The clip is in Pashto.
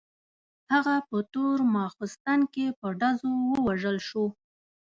هغه په تور ماخستن کې په ډزو وویشتل شو.